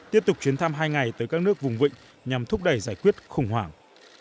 tiếp tục chuyến thăm hai ngày tới các nước vùng vịnh nhằm thúc đẩy giải quyết khủng hoảng